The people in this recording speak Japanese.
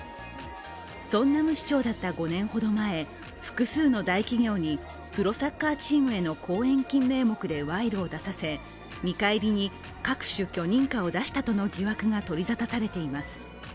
ソンナム市長だった５年ほど前、複数の大企業にプロサッカーチームへの後援金名目で賄賂を出させ、見返りに各種許認可を出したとの疑惑が取り沙汰されています。